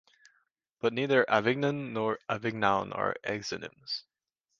But neither Avignon nor Avignoun are exonyms.